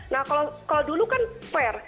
nah kalau dulu kan fair